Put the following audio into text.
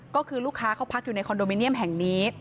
ก็คือลูกค้าเขาพักอยู่ในคอนโดมิเนียมแห่งนี้